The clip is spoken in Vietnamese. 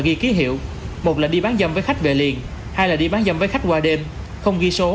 giao dự một là đi bán dâm với khách về liền hai là đi bán dâm với khách qua đêm không ghi số